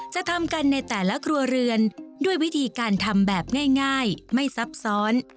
จะทำกันในแต่ละครัวเรือนด้วยวิธีการทำแบบง่ายไม่ซับซ้อน